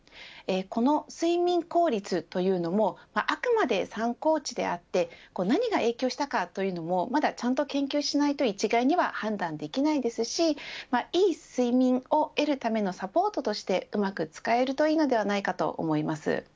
この、睡眠効率というのもあくまで参考値であって何が影響したかというのもまだちゃんと研究しないと一概には判断できないですしいい睡眠を得るためのサポートとしてうまく使えるといいのではないかと思います。